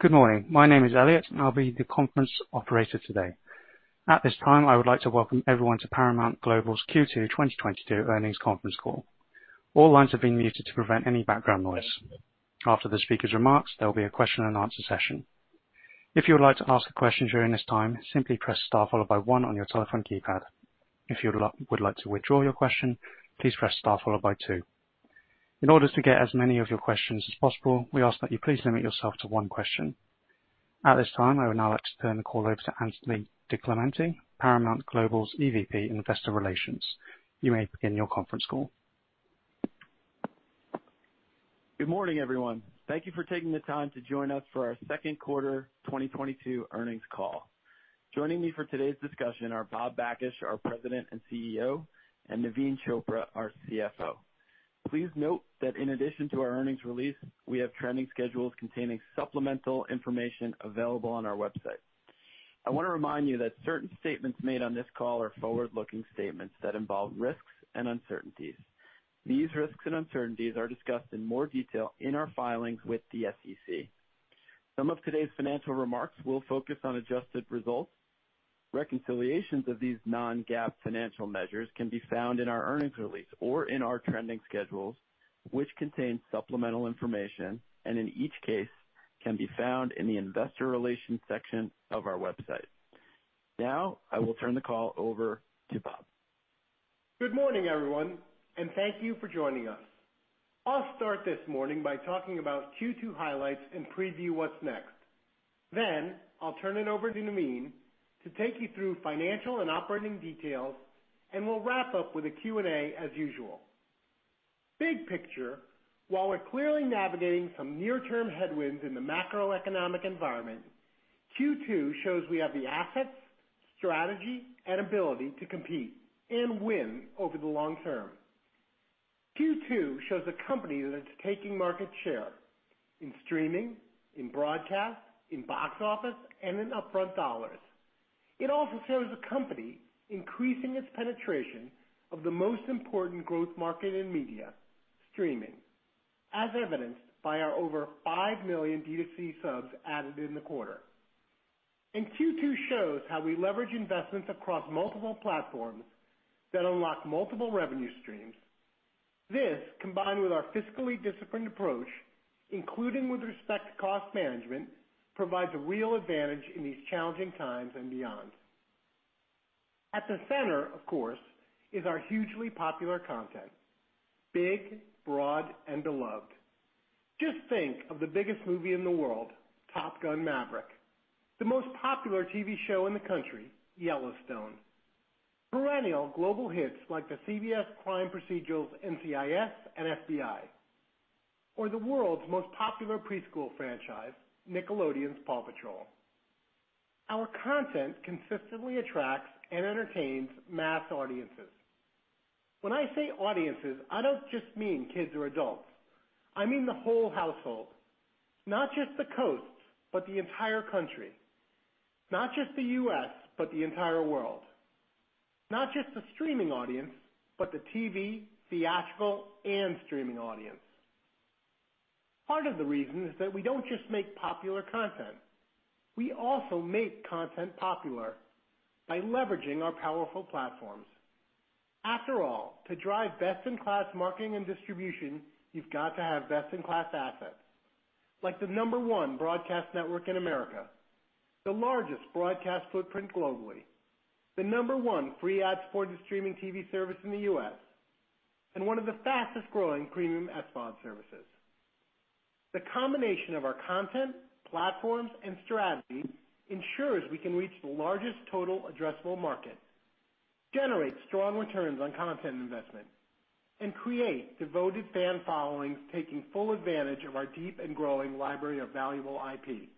Good morning. My name is Elliot, and I'll be the conference operator today. At this time, I would like to welcome everyone to Paramount Global's Q2 2022 Earnings Conference Call. All lines have been muted to prevent any background noise. After the speaker's remarks, there will be a question and answer session. If you would like to ask a question during this time, simply press star followed by 1 on your telephone keypad. If you would like to withdraw your question, please press star followed by 2. In order to get as many of your questions as possible, we ask that you please limit yourself to one question. At this time, I would now like to turn the call over to Anthony DiClemente, Paramount Global's EVP in Investor Relations. You may begin your conference call. Good morning, everyone. Thank you for taking the time to join us for our second quarter 2022 earnings call. Joining me for today's discussion are Bob Bakish, our President and CEO, and Naveen Chopra, our CFO. Please note that in addition to our earnings release, we have trending schedules containing supplemental information available on our website. I wanna remind you that certain statements made on this call are forward-looking statements that involve risks and uncertainties. These risks and uncertainties are discussed in more detail in our filings with the SEC. Some of today's financial remarks will focus on adjusted results. Reconciliations of these non-GAAP financial measures can be found in our earnings release or in our trending schedules, which contain supplemental information, and in each case can be found in the investor relations section of our website. Now I will turn the call over to Bob. Good morning, everyone, and thank you for joining us. I'll start this morning by talking about Q2 highlights and preview what's next. I'll turn it over to Naveen to take you through financial and operating details, and we'll wrap up with a Q&A as usual. Big picture, while we're clearly navigating some near-term headwinds in the macroeconomic environment, Q2 shows we have the assets, strategy, and ability to compete and win over the long term. Q2 shows a company that is taking market share in streaming, in broadcast, in box office, and in upfront dollars. It also shows a company increasing its penetration of the most important growth market in media, streaming, as evidenced by our over 5 million D2C subs added in the quarter. Q2 shows how we leverage investments across multiple platforms that unlock multiple revenue streams. This, combined with our fiscally disciplined approach, including with respect to cost management, provides a real advantage in these challenging times and beyond. At the center, of course, is our hugely popular content, big, broad and beloved. Just think of the biggest movie in the world, Top Gun: Maverick, the most popular TV show in the country, Yellowstone, perennial global hits like the CBS crime procedurals NCIS and FBI, or the world's most popular preschool franchise, Nickelodeon's PAW Patrol. Our content consistently attracts and entertains mass audiences. When I say audiences, I don't just mean kids or adults. I mean the whole household, not just the coasts, but the entire country, not just the U.S., but the entire world, not just the streaming audience, but the TV, theatrical and streaming audience. Part of the reason is that we don't just make popular content. We also make content popular by leveraging our powerful platforms. After all, to drive best-in-class marketing and distribution, you've got to have best-in-class assets, like the number one broadcast network in America, the largest broadcast footprint globally, the number one free ad-supported streaming TV service in the US, and one of the fastest growing premium SVOD services. The combination of our content, platforms and strategies ensures we can reach the largest total addressable market, generate strong returns on content investment, and create devoted fan followings, taking full advantage of our deep and growing library of valuable IP.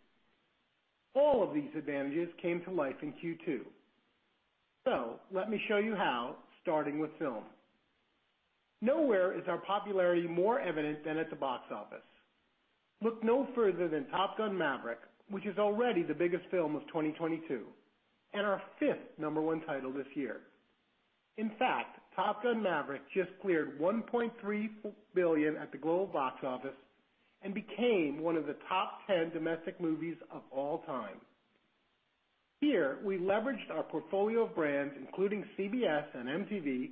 All of these advantages came to life in Q2. Let me show you how, starting with film. Nowhere is our popularity more evident than at the box office. Look no further than Top Gun: Maverick, which is already the biggest film of 2022 and our fifth number one title this year. In fact, Top Gun: Maverick just cleared $1.3 billion at the global box office and became one of the top 10 domestic movies of all time. Here we leveraged our portfolio of brands, including CBS and MTV,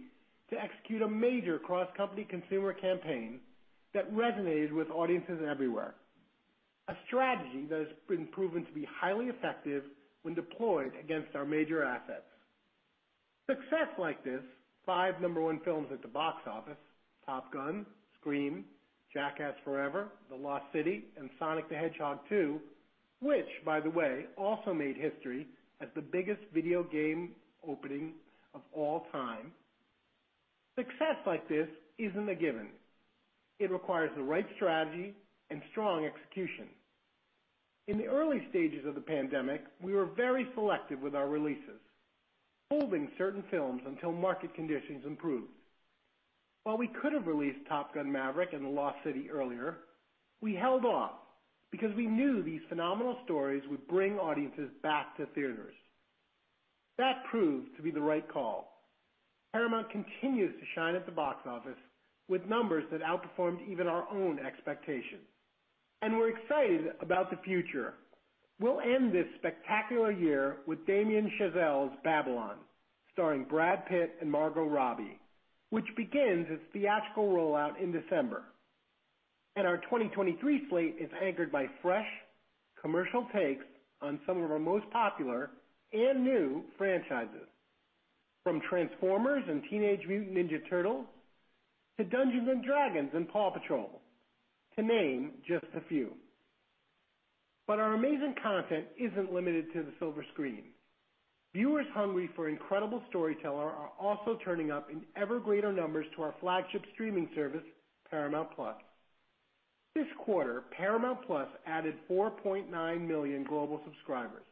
to execute a major cross-company consumer campaign that resonated with audiences everywhere, a strategy that has been proven to be highly effective when deployed against our major assets. Success like this, five number one films at the box office, Top Gun, Scream, Jackass Forever, The Lost City and Sonic the Hedgehog 2, which by the way, also made history as the biggest video game opening of all time. Success like this isn't a given. It requires the right strategy and strong execution. In the early stages of the pandemic, we were very selective with our releases, holding certain films until market conditions improved. While we could have released Top Gun: Maverick and The Lost City earlier, we held off because we knew these phenomenal stories would bring audiences back to theaters. That proved to be the right call. Paramount continues to shine at the box office with numbers that outperformed even our own expectations. We're excited about the future. We'll end this spectacular year with Damien Chazelle's Babylon, starring Brad Pitt and Margot Robbie, which begins its theatrical rollout in December. Our 2023 slate is anchored by fresh commercial takes on some of our most popular and new franchises, from Transformers and Teenage Mutant Ninja Turtles to Dungeons and Dragons and PAW Patrol, to name just a few. Our amazing content isn't limited to the silver screen. Viewers hungry for incredible storytelling are also turning up in ever-greater numbers to our flagship streaming service, Paramount+. This quarter, Paramount+ added 4.9 million global subscribers,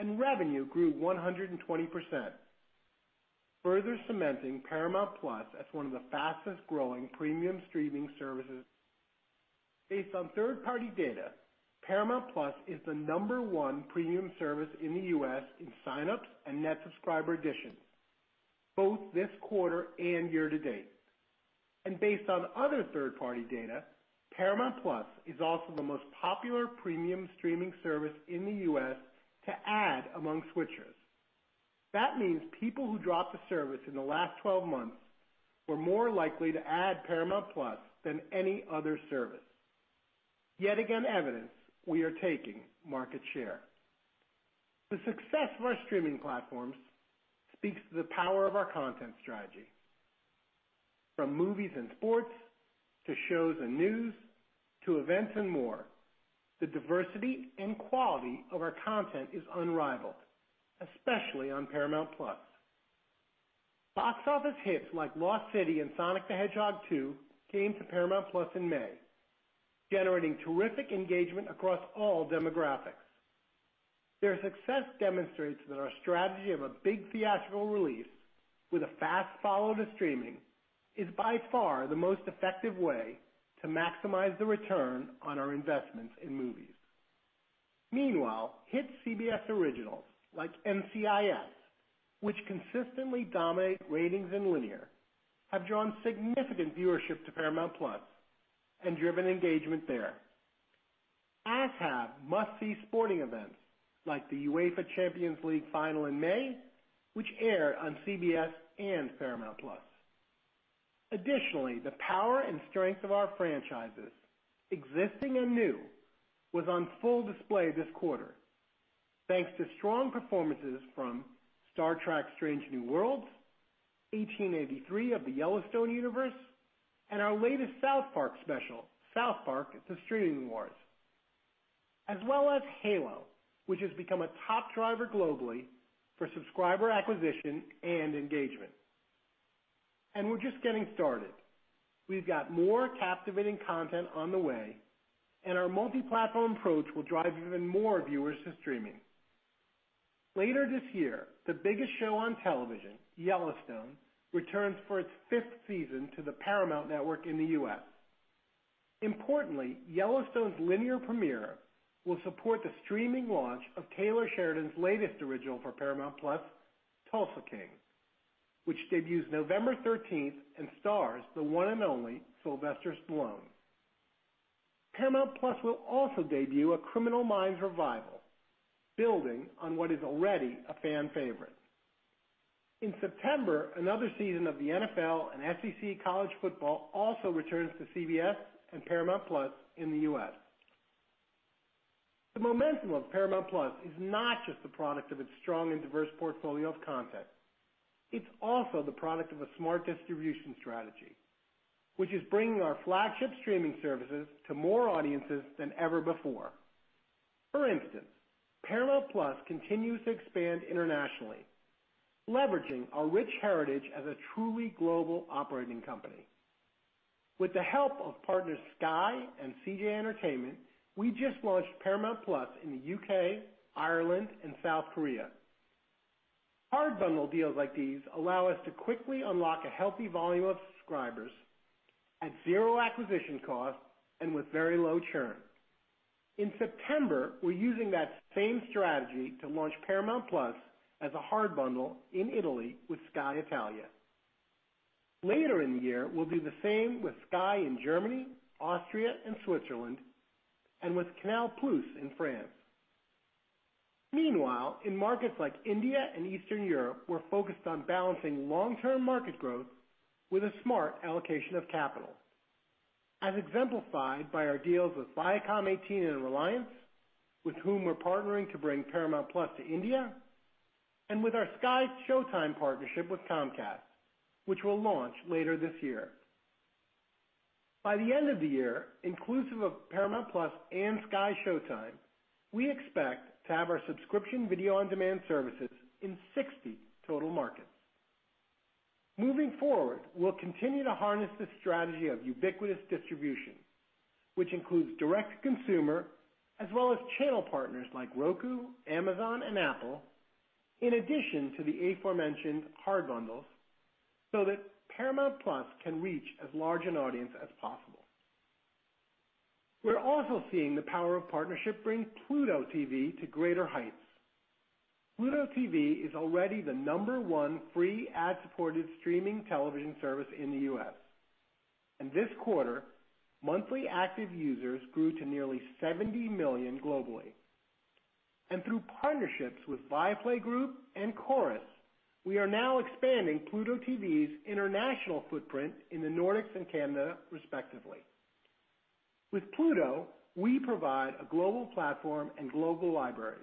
and revenue grew 120%, further cementing Paramount+ as one of the fastest-growing premium streaming services. Based on third-party data, Paramount+ is the number one premium service in the U.S. in sign-ups and net subscriber additions, both this quarter and year-to-date. Based on other third-party data, Paramount+ is also the most popular premium streaming service in the U.S. to add among switchers. That means people who dropped the service in the last 12 months were more likely to add Paramount+ than any other service. Yet again, evidence we are taking market share. The success of our streaming platforms speaks to the power of our content strategy. From movies and sports to shows and news to events and more, the diversity and quality of our content is unrivaled, especially on Paramount+. Box office hits like The Lost City and Sonic the Hedgehog 2 came to Paramount+ in May, generating terrific engagement across all demographics. Their success demonstrates that our strategy of a big theatrical release with a fast follow to streaming is by far the most effective way to maximize the return on our investments in movies. Meanwhile, hit CBS originals like NCIS, which consistently dominate ratings in linear, have drawn significant viewership to Paramount+ and driven engagement there. As have must-see sporting events like the UEFA Champions League final in May, which aired on CBS and Paramount+. Additionally, the power and strength of our franchises, existing and new, was on full display this quarter, thanks to strong performances from Star Trek: Strange New Worlds, 1883 of the Yellowstone universe, and our latest South Park special, South Park: The Streaming Wars, as well as Halo, which has become a top driver globally for subscriber acquisition and engagement. We're just getting started. We've got more captivating content on the way, and our multi-platform approach will drive even more viewers to streaming. Later this year, the biggest show on television, Yellowstone, returns for its fifth season to the Paramount Network in the U.S. Importantly, Yellowstone's linear premiere will support the streaming launch of Taylor Sheridan's latest original for Paramount+, Tulsa King, which debuts November thirteenth and stars the one and only Sylvester Stallone. Paramount+ will also debut a Criminal Minds revival, building on what is already a fan favorite. In September, another season of the NFL and SEC college football also returns to CBS and Paramount+ in the U.S. The momentum of Paramount+ is not just a product of its strong and diverse portfolio of content. It's also the product of a smart distribution strategy, which is bringing our flagship streaming services to more audiences than ever before. For instance, Paramount+ continues to expand internationally, leveraging our rich heritage as a truly global operating company. With the help of partners Sky and CJ ENM, we just launched Paramount+ in the U.K., Ireland, and South Korea. Hard bundle deals like these allow us to quickly unlock a healthy volume of subscribers at zero acquisition cost and with very low churn. In September, we're using that same strategy to launch Paramount+ as a hard bundle in Italy with Sky Italia. Later in the year, we'll do the same with Sky in Germany, Austria, and Switzerland, and with Canal+ in France. Meanwhile, in markets like India and Eastern Europe, we're focused on balancing long-term market growth with a smart allocation of capital, as exemplified by our deals with Viacom18 and Reliance, with whom we're partnering to bring Paramount+ to India, and with our SkyShowtime partnership with Comcast, which will launch later this year. By the end of the year, inclusive of Paramount+ and SkyShowtime, we expect to have our subscription video on-demand services in 60 total markets. Moving forward, we'll continue to harness the strategy of ubiquitous distribution, which includes direct-to-consumer as well as channel partners like Roku, Amazon, and Apple, in addition to the aforementioned hard bundles, so that Paramount+ can reach as large an audience as possible. We're also seeing the power of partnership bring Pluto TV to greater heights. Pluto TV is already the number one free ad-supported streaming television service in the U.S. This quarter, monthly active users grew to nearly 70 million globally. Through partnerships with Viaplay Group and Corus, we are now expanding Pluto TV's international footprint in the Nordics and Canada respectively. With Pluto, we provide a global platform and global libraries,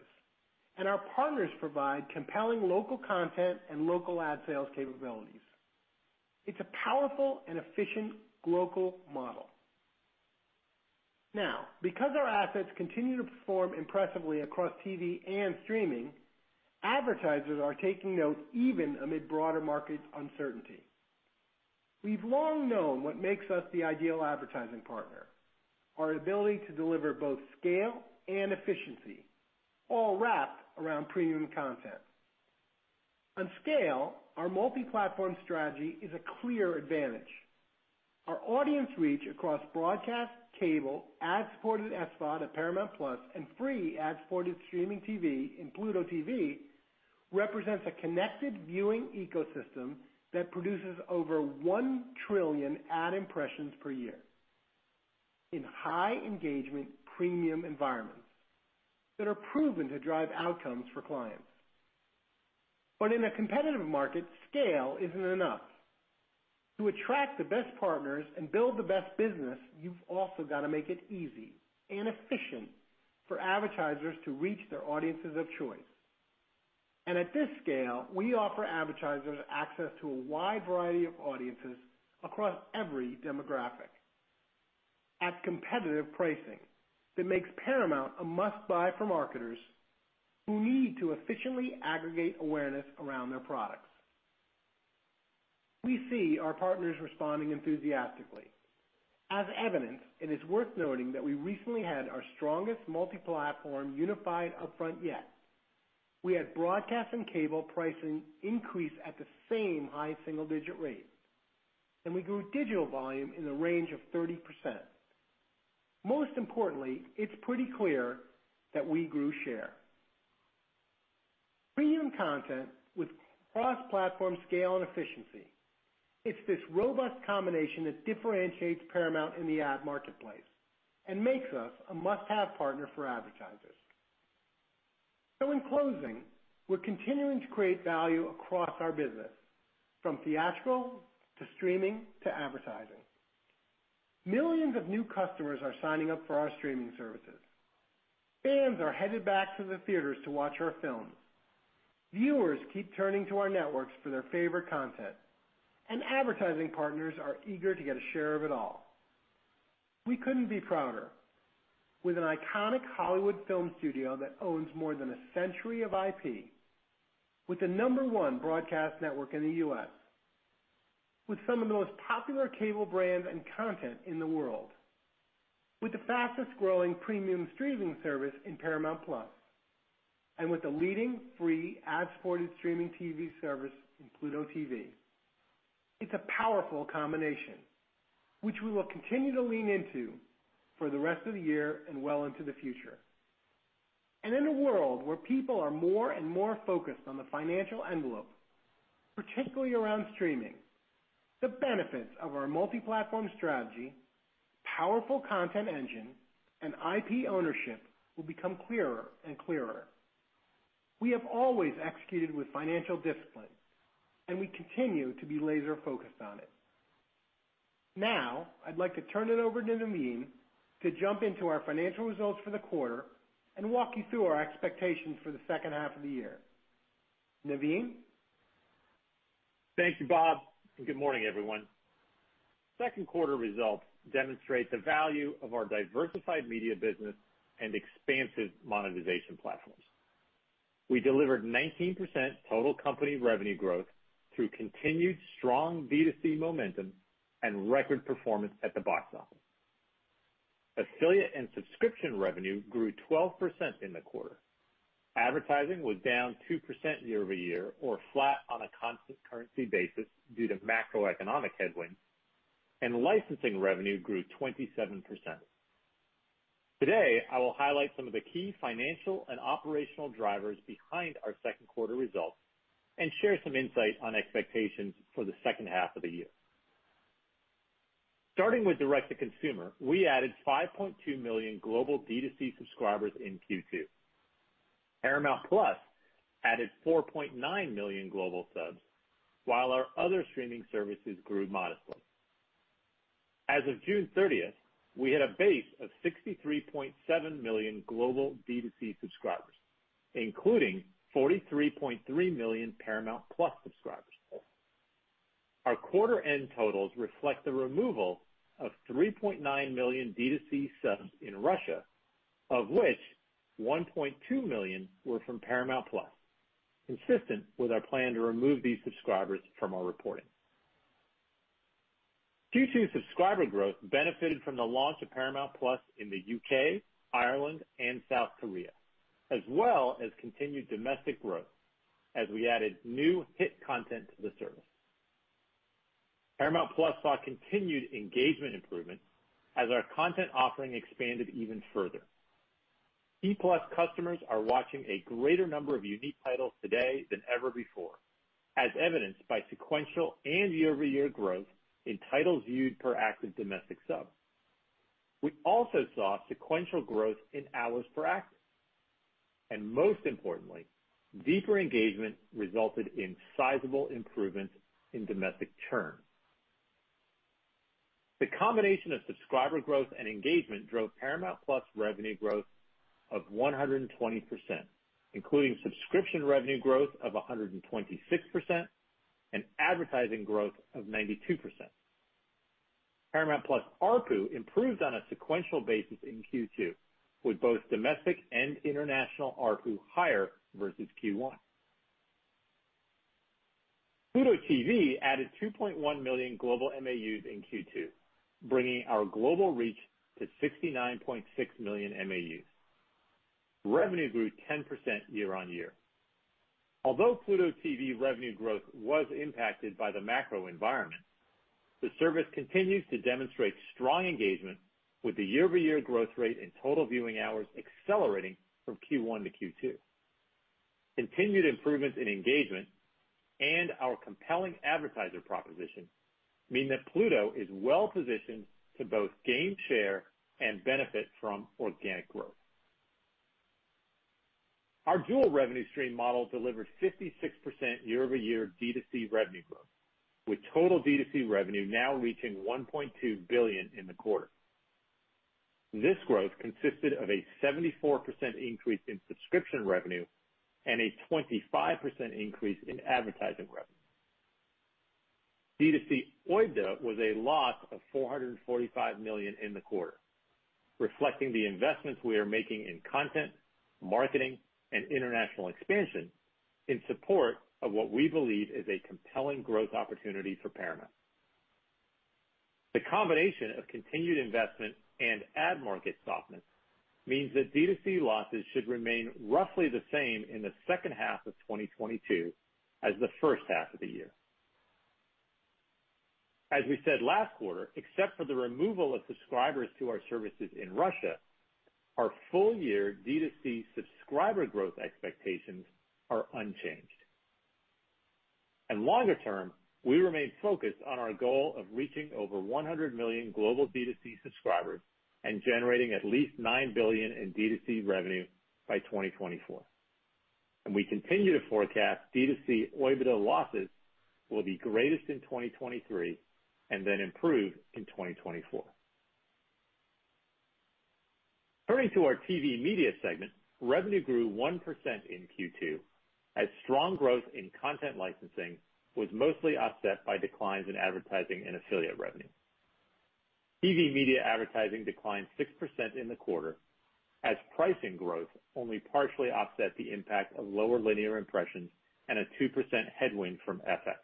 and our partners provide compelling local content and local ad sales capabilities. It's a powerful and efficient global model. Now, because our assets continue to perform impressively across TV and streaming, advertisers are taking note even amid broader market uncertainty. We've long known what makes us the ideal advertising partner. Our ability to deliver both scale and efficiency, all wrapped around premium content. On scale, our multi-platform strategy is a clear advantage. Our audience reach across broadcast, cable, ad-supported SVOD at Paramount+, and free ad-supported streaming TV in Pluto TV represents a connected viewing ecosystem that produces over 1 trillion ad impressions per year in high engagement, premium environments that are proven to drive outcomes for clients. In a competitive market, scale isn't enough. To attract the best partners and build the best business, you've also gotta make it easy and efficient for advertisers to reach their audiences of choice. At this scale, we offer advertisers access to a wide variety of audiences across every demographic at competitive pricing that makes Paramount a must-buy for marketers who need to efficiently aggregate awareness around their products. We see our partners responding enthusiastically. As evident, it's worth noting that we recently had our strongest multi-platform unified upfront yet. We had broadcast and cable pricing increase at the same high single-digit% rate, and we grew digital volume in the range of 30%. Most importantly, it's pretty clear that we grew share. Premium content with cross-platform scale and efficiency. It's this robust combination that differentiates Paramount in the ad marketplace and makes us a must-have partner for advertisers. In closing, we're continuing to create value across our business, from theatrical to streaming to advertising. Millions of new customers are signing up for our streaming services. Fans are headed back to the theaters to watch our films. Viewers keep turning to our networks for their favorite content, and advertising partners are eager to get a share of it all. We couldn't be prouder. With an iconic Hollywood film studio that owns more than a century of IP, with the number one broadcast network in the U.S., with some of the most popular cable brands and content in the world, with the fastest-growing premium streaming service in Paramount+, and with a leading free ad-supported streaming TV service in Pluto TV. It's a powerful combination, which we will continue to lean into for the rest of the year and well into the future. In a world where people are more and more focused on the financial envelope, particularly around streaming, the benefits of our multi-platform strategy, powerful content engine, and IP ownership will become clearer and clearer. We have always executed with financial discipline, and we continue to be laser-focused on it. Now, I'd like to turn it over to Naveen to jump into our financial results for the quarter and walk you through our expectations for the second half of the year. Naveen? Thank you, Bob, and good morning, everyone. Second quarter results demonstrate the value of our diversified media business and expansive monetization platforms. We delivered 19% total company revenue growth through continued strong B2C momentum and record performance at the box office. Affiliate and subscription revenue grew 12% in the quarter. Advertising was down 2% year over year or flat on a constant currency basis due to macroeconomic headwinds, and licensing revenue grew 27%. Today, I will highlight some of the key financial and operational drivers behind our second quarter results and share some insight on expectations for the second half of the year. Starting with direct-to-consumer, we added 5.2 million global B2C subscribers in Q2. Paramount+ added 4.9 million global subs, while our other streaming services grew modestly. As of June 30th, we had a base of 63.7 million global B2C subscribers, including 43.3 million Paramount+ subscribers. Our quarter end totals reflect the removal of 3.9 million B2C subs in Russia, of which 1.2 million were from Paramount+, consistent with our plan to remove these subscribers from our reporting. Q2 subscriber growth benefited from the launch of Paramount+ in the UK, Ireland, and South Korea, as well as continued domestic growth as we added new hit content to the service. Paramount+ saw continued engagement improvement as our content offering expanded even further. P-+ customers are watching a greater number of unique titles today than ever before, as evidenced by sequential and year-over-year growth in titles viewed per active domestic sub. We also saw sequential growth in hours per active, and most importantly, deeper engagement resulted in sizable improvements in domestic churn. The combination of subscriber growth and engagement drove Paramount+ revenue growth of 120%, including subscription revenue growth of 126% and advertising growth of 92%. Paramount+ ARPU improved on a sequential basis in Q2, with both domestic and international ARPU higher versus Q1. Pluto TV added 2.1 million global MAUs in Q2, bringing our global reach to 69.6 million MAUs. Revenue grew 10% year-over-year. Although Pluto TV revenue growth was impacted by the macro environment, the service continues to demonstrate strong engagement with the year-over-year growth rate in total viewing hours accelerating from Q1 to Q2. Continued improvements in engagement and our compelling advertiser proposition mean that Pluto is well-positioned to both gain share and benefit from organic growth. Our dual revenue stream model delivered 56% year-over-year D2C revenue growth, with total D2C revenue now reaching $1.2 billion in the quarter. This growth consisted of a 74% increase in subscription revenue and a 25% increase in advertising revenue. D2C OIBDA was a loss of $445 million in the quarter, reflecting the investments we are making in content, marketing and international expansion in support of what we believe is a compelling growth opportunity for Paramount. The combination of continued investment and ad market softness means that D2C losses should remain roughly the same in the second half of 2022 as the first half of the year. As we said last quarter, except for the removal of subscribers to our services in Russia, our full year D2C subscriber growth expectations are unchanged. Longer term, we remain focused on our goal of reaching over 100 million global D2C subscribers and generating at least $9 billion in D2C revenue by 2024. We continue to forecast D2C OIBDA losses will be greatest in 2023 and then improve in 2024. Turning to our TV and media segment, revenue grew 1% in Q2 as strong growth in content licensing was mostly offset by declines in advertising and affiliate revenue. TV media advertising declined 6% in the quarter as pricing growth only partially offset the impact of lower linear impressions and a 2% headwind from FX.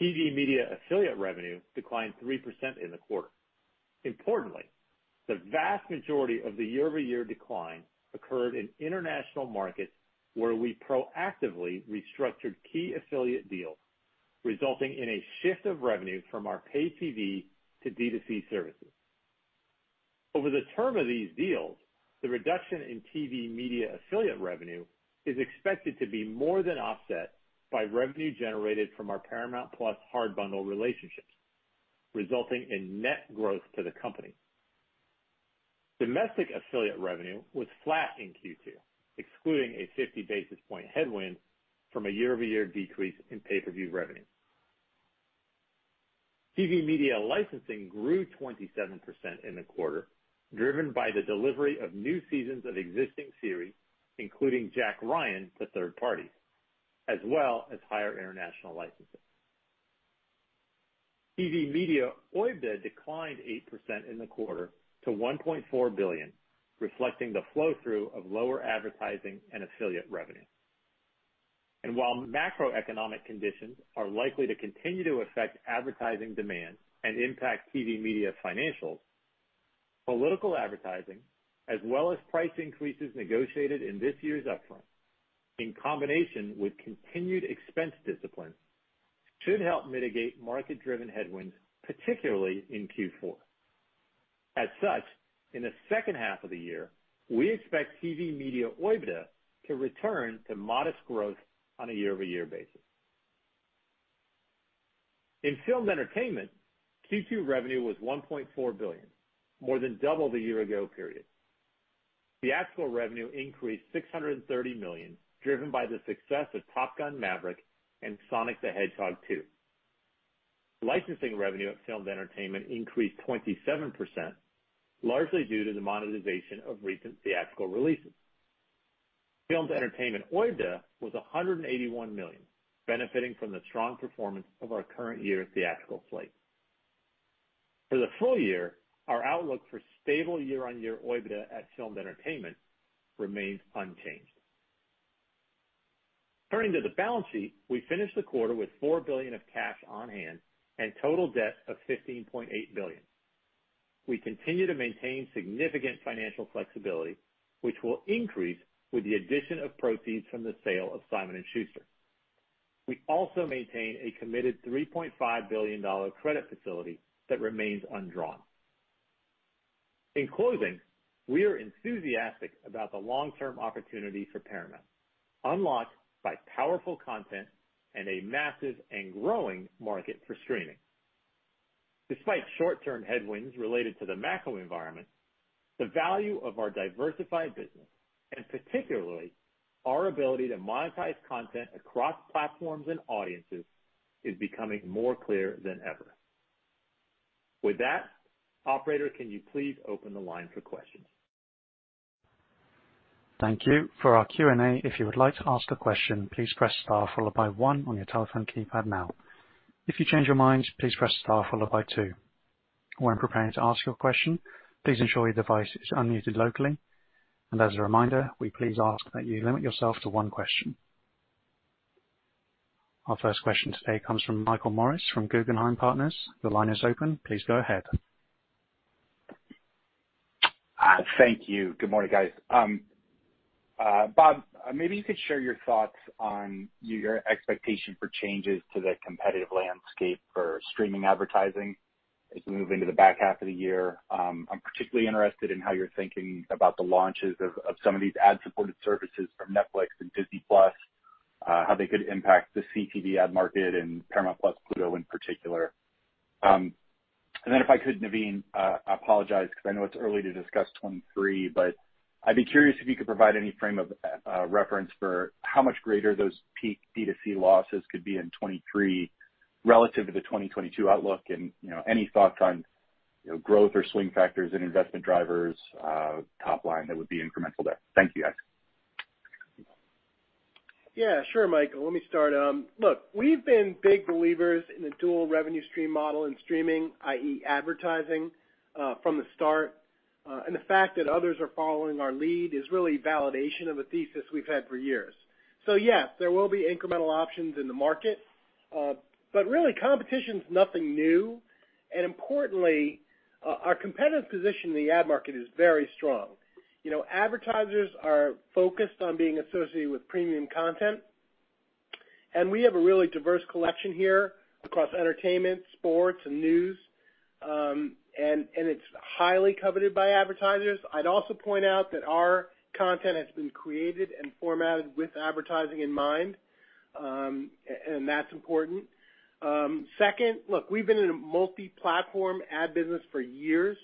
TV media affiliate revenue declined 3% in the quarter. Importantly, the vast majority of the year-over-year decline occurred in international markets, where we proactively restructured key affiliate deals, resulting in a shift of revenue from our pay TV to D2C services. Over the term of these deals, the reduction in TV media affiliate revenue is expected to be more than offset by revenue generated from our Paramount+ hard bundle relationships, resulting in net growth to the company. Domestic affiliate revenue was flat in Q2, excluding a 50 basis point headwind from a year-over-year decrease in pay-per-view revenue. TV media licensing grew 27% in the quarter, driven by the delivery of new seasons of existing series, including Jack Ryan, to third parties, as well as higher international licensing. TV media OIBDA declined 8% in the quarter to $1.4 billion, reflecting the flow through of lower advertising and affiliate revenue. While macroeconomic conditions are likely to continue to affect advertising demand and impact TV media financials, political advertising as well as price increases negotiated in this year's upfront, in combination with continued expense discipline, should help mitigate market-driven headwinds, particularly in Q4. As such, in the second half of the year, we expect TV media OIBDA to return to modest growth on a year-over-year basis. In Filmed Entertainment, Q2 revenue was $1.4 billion, more than double the year ago period. Theatrical revenue increased $630 million, driven by the success of Top Gun: Maverick and Sonic the Hedgehog 2. Licensing revenue at Filmed Entertainment increased 27%, largely due to the monetization of recent theatrical releases. Filmed Entertainment OIBDA was $181 million, benefiting from the strong performance of our current year theatrical slate. For the full year, our outlook for stable year-on-year OIBDA at Filmed Entertainment remains unchanged. Turning to the balance sheet, we finished the quarter with $4 billion of cash on hand and total debt of $15.8 billion. We continue to maintain significant financial flexibility, which will increase with the addition of proceeds from the sale of Simon & Schuster. We also maintain a committed $3.5 billion credit facility that remains undrawn. In closing, we are enthusiastic about the long-term opportunity for Paramount, unlocked by powerful content and a massive and growing market for streaming. Despite short-term headwinds related to the macro environment, the value of our diversified business, and particularly our ability to monetize content across platforms and audiences, is becoming more clear than ever. With that, operator, can you please open the line for questions? Thank you. For our Q&A, if you would like to ask a question, please press star followed by one on your telephone keypad now. If you change your mind, please press star followed by two. When preparing to ask your question, please ensure your device is unmuted locally. As a reminder, we please ask that you limit yourself to one question. Our first question today comes from Michael Morris from Guggenheim Partners. Your line is open. Please go ahead. Thank you. Good morning, guys. Bob, maybe you could share your thoughts on your expectation for changes to the competitive landscape for streaming advertising as we move into the back half of the year. I'm particularly interested in how you're thinking about the launches of some of these ad-supported services from Netflix and Disney+, how they could impact the CTV ad market and Paramount+ Pluto in particular. If I could, Naveen, I apologize because I know it's early to discuss 2023, but I'd be curious if you could provide any frame of reference for how much greater those peak D2C losses could be in 2023 relative to the 2022 outlook and, you know, any thoughts on, you know, growth or swing factors and investment drivers, top line that would be incremental there. Thank you, guys. Yeah, sure, Michael, let me start. Look, we've been big believers in the dual revenue stream model and streaming, i.e. advertising, from the start. The fact that others are following our lead is really validation of a thesis we've had for years. Yes, there will be incremental options in the market. Really competition's nothing new. Importantly, our competitive position in the ad market is very strong. You know, advertisers are focused on being associated with premium content, and we have a really diverse collection here across entertainment, sports, and news, and it's highly coveted by advertisers. I'd also point out that our content has been created and formatted with advertising in mind, and that's important. Second, look, we've been in a multi-platform ad business for years,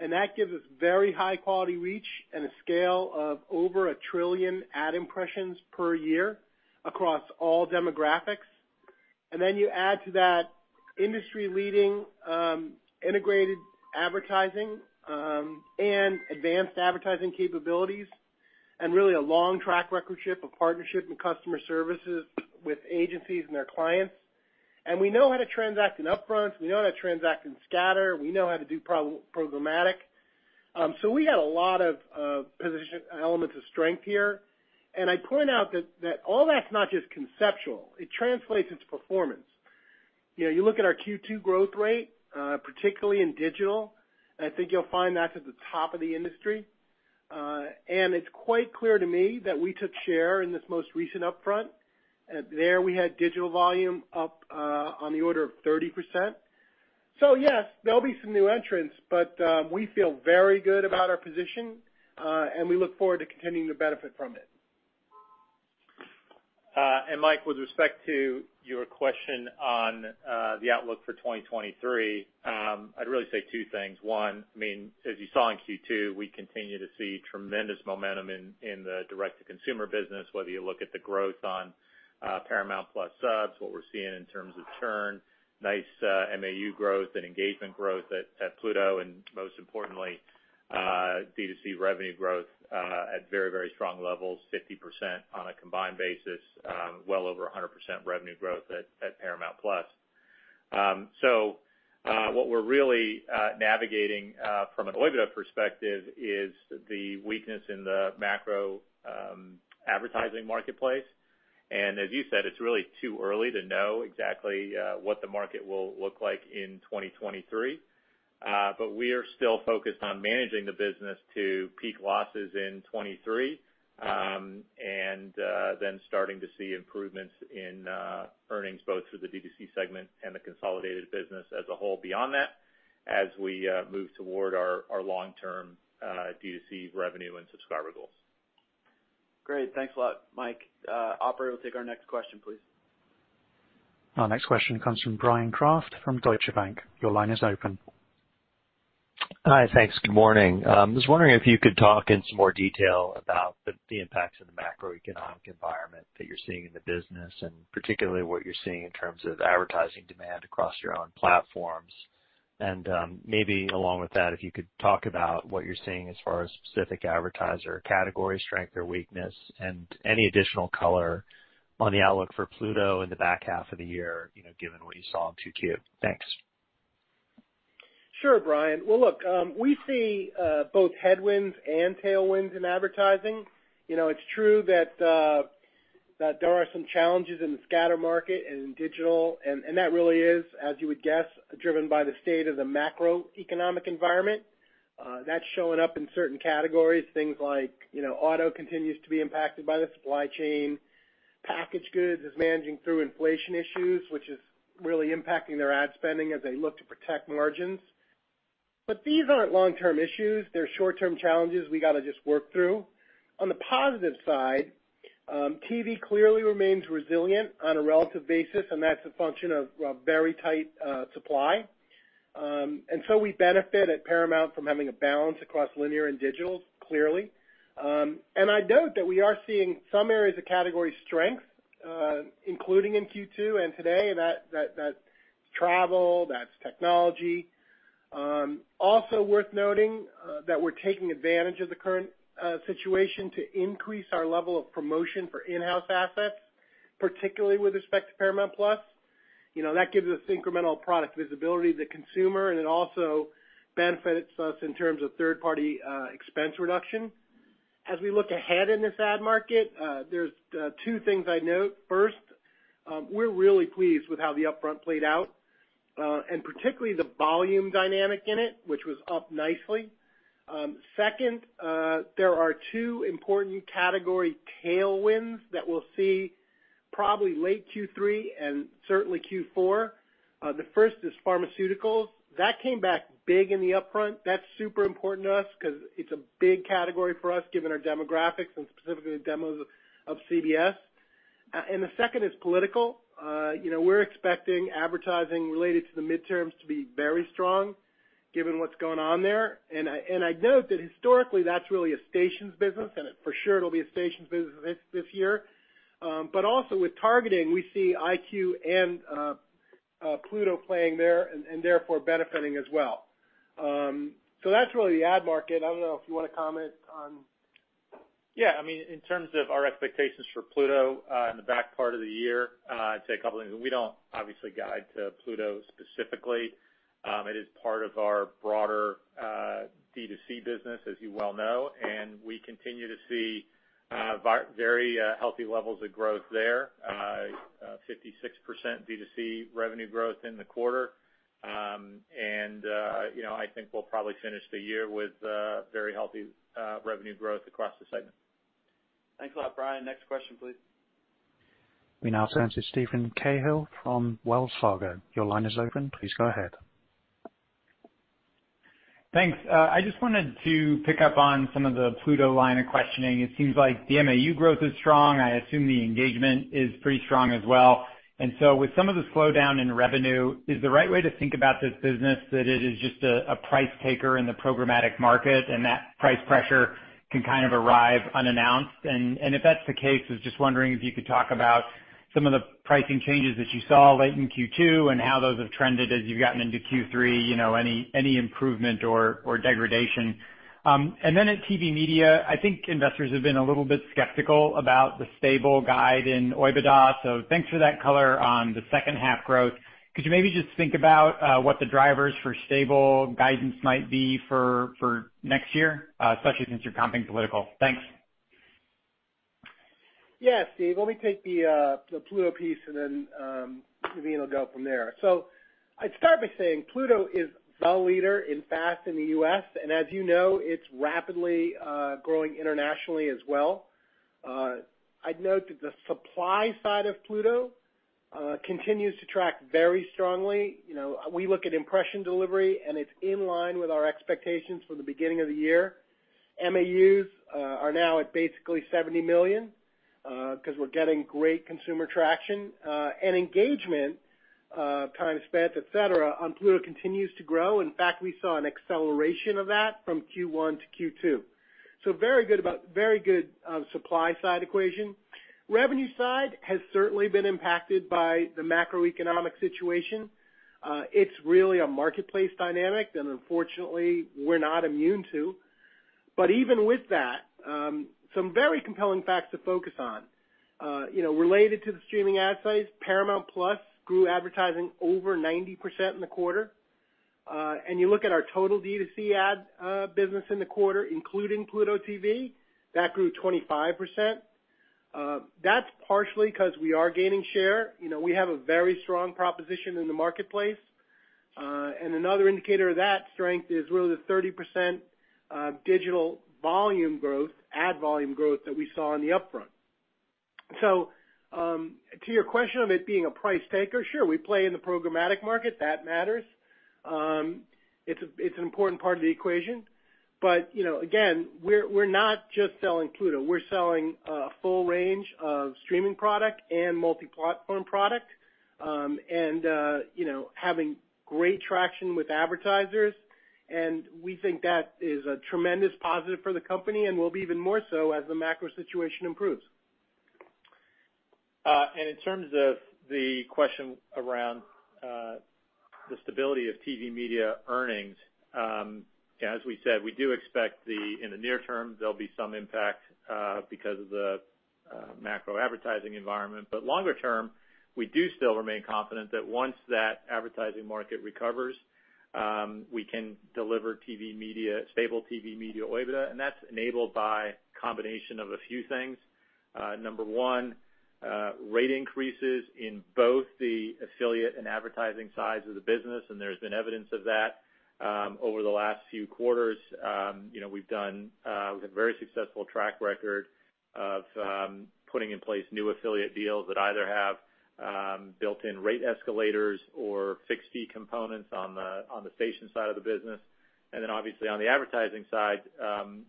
and that gives us very high quality reach and a scale of over 1 trillion ad impressions per year across all demographics. Then you add to that industry-leading, integrated advertising, and advanced advertising capabilities and really a long track record of partnership and customer services with agencies and their clients. We know how to transact in upfronts. We know how to transact in scatter. We know how to do programmatic. So we got a lot of elements of strength here. I point out that all that's not just conceptual. It translates into performance. You know, you look at our Q2 growth rate, particularly in digital, and I think you'll find that's at the top of the industry. It's quite clear to me that we took share in this most recent upfront. There we had digital volume up on the order of 30%. Yes, there'll be some new entrants, but we feel very good about our position, and we look forward to continuing to benefit from it. Mike, with respect to your question on the outlook for 2023, I'd really say two things. One, I mean, as you saw in Q2, we continue to see tremendous momentum in the direct-to-consumer business, whether you look at the growth on Paramount+ subs, what we're seeing in terms of churn, nice MAU growth and engagement growth at Pluto, and most importantly, D2C revenue growth at very, very strong levels, 50% on a combined basis, well over 100% revenue growth at Paramount+. So, what we're really navigating from an OIBDA perspective is the weakness in the macro advertising marketplace. As you said, it's really too early to know exactly what the market will look like in 2023. We are still focused on managing the business to peak losses in 2023, and then starting to see improvements in earnings both for the D2C segment and the consolidated business as a whole beyond that, as we move toward our long-term D2C revenue and subscriber goals. Great. Thanks a lot, Mike. Operator, we'll take our next question, please. Our next question comes from Bryan Kraft from Deutsche Bank. Your line is open. Hi. Thanks. Good morning. Just wondering if you could talk in some more detail about the impacts of the macroeconomic environment that you're seeing in the business, and particularly what you're seeing in terms of advertising demand across your own platforms. Maybe along with that, if you could talk about what you're seeing as far as specific advertiser category strength or weakness, and any additional color on the outlook for Pluto in the back half of the year, you know, given what you saw in 2Q. Thanks. Sure, Brian. Well, look, we see both headwinds and tailwinds in advertising. You know, it's true that there are some challenges in the scatter market and in digital, and that really is, as you would guess, driven by the state of the macroeconomic environment. That's showing up in certain categories, things like, you know, auto continues to be impacted by the supply chain. Packaged goods is managing through inflation issues, which is really impacting their ad spending as they look to protect margins. These aren't long-term issues. They're short-term challenges we gotta just work through. On the positive side, TV clearly remains resilient on a relative basis, and that's a function of very tight supply. We benefit at Paramount from having a balance across linear and digital, clearly. I'd note that we are seeing some areas of category strength, including in Q2 and today. That's travel, that's technology. Also worth noting, that we're taking advantage of the current situation to increase our level of promotion for in-house assets, particularly with respect to Paramount+. You know, that gives us incremental product visibility to the consumer, and it also benefits us in terms of third-party expense reduction. As we look ahead in this ad market, there's two things I'd note. First, we're really pleased with how the upfront played out, and particularly the volume dynamic in it, which was up nicely. Second, there are two important category tailwinds that we'll see probably late Q3 and certainly Q4. The first is pharmaceuticals. That came back big in the upfront. That's super important to us because it's a big category for us given our demographics and specifically the demos of CBS. The second is political. You know, we're expecting advertising related to the midterms to be very strong given what's going on there. I'd note that historically that's really a stations business, and for sure it'll be a stations business this year. But also with targeting, we see EyeQ and Pluto playing there and therefore benefiting as well. So that's really the ad market. I don't know if you wanna comment on. Yeah. I mean, in terms of our expectations for Pluto, in the back part of the year, I'd say a couple things. We don't obviously guide to Pluto specifically. It is part of our broader B2C business, as you well know, and we continue to see very healthy levels of growth there. 56% B2C revenue growth in the quarter. You know, I think we'll probably finish the year with very healthy revenue growth across the segment. Thanks a lot, Bryan. Next question, please. We now turn to Steven Cahall from Wells Fargo. Your line is open. Please go ahead. Thanks. I just wanted to pick up on some of the Pluto line of questioning. It seems like the MAU growth is strong. I assume the engagement is pretty strong as well. With some of the slowdown in revenue, is the right way to think about this business that it is just a price taker in the programmatic market, and that price pressure can kind of arrive unannounced? If that's the case, I was just wondering if you could talk about some of the pricing changes that you saw late in Q2 and how those have trended as you've gotten into Q3, you know, any improvement or degradation. Then at TV Media, I think investors have been a little bit skeptical about the stable guide in OIBDA. Thanks for that color on the second half growth. Could you maybe just think about what the drivers for stable guidance might be for next year, especially since you're comping political? Thanks. Yeah, Steve. Let me take the Pluto piece, and then Naveen will go from there. I'd start by saying Pluto is the leader in FAST in the U.S., and as you know, it's rapidly growing internationally as well. I'd note that the supply side of Pluto continues to track very strongly. You know, we look at impression delivery, and it's in line with our expectations for the beginning of the year. MAUs are now at basically 70 million because we're getting great consumer traction. And engagement, time spent, et cetera, on Pluto continues to grow. In fact, we saw an acceleration of that from Q1 to Q2. Very good supply side equation. Revenue side has certainly been impacted by the macroeconomic situation. It's really a marketplace dynamic that unfortunately we're not immune to. Even with that, some very compelling facts to focus on. You know, related to the streaming ad side, Paramount+ grew advertising over 90% in the quarter. And you look at our total D2C ad business in the quarter, including Pluto TV, that grew 25%. That's partially because we are gaining share. You know, we have a very strong proposition in the marketplace. And another indicator of that strength is really the 30% digital volume growth, ad volume growth that we saw in the upfront. To your question of it being a price taker, sure, we play in the programmatic market. That matters. It's an important part of the equation. You know, again, we're not just selling Pluto. We're selling a full range of streaming product and multi-platform product, you know, having great traction with advertisers. We think that is a tremendous positive for the company and will be even more so as the macro situation improves. In terms of the question around the stability of TV media earnings, as we said, we do expect in the near term, there'll be some impact because of the macro advertising environment. Longer term, we do still remain confident that once that advertising market recovers, we can deliver stable TV media OIBDA, and that's enabled by combination of a few things. Number one, rate increases in both the affiliate and advertising sides of the business, and there's been evidence of that over the last few quarters. You know, we've had very successful track record of putting in place new affiliate deals that either have built-in rate escalators or fixed fee components on the station side of the business. Obviously on the advertising side,